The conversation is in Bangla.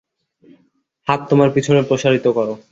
হাত তোমার পিছনে প্রসারিত করো।